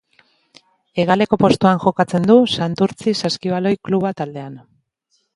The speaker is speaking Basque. Hegaleko postuan jokatzen du Santurtzi Saskibaloi Kluba taldean.